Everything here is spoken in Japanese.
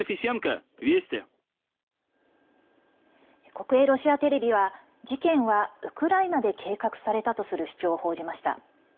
国営ロシアテレビは事件はウクライナで計画されたとする主張を報じました。